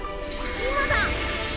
今だ！